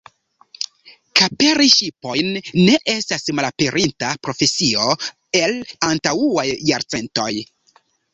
Kaperi ŝipojn ne estas malaperinta profesio el antaŭaj jarcentoj.